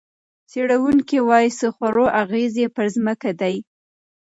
څېړونکي وايي، څه خورو، اغېز یې پر ځمکه دی.